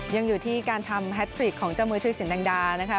ยังอยู่ที่การทำแฮทริกของเจ้ามวยธุรสินแดงดานะคะ